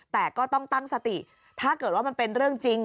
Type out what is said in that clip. แต่ก็ต้องตั้งสติถ้าเกิดว่ามันเป็นเรื่องจริง